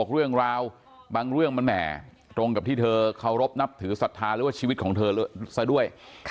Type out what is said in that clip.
เรื่องราวบางเรื่องมันแหม่ตรงกับที่เธอเคารพนับถือศรัทธาหรือว่าชีวิตของเธอซะด้วย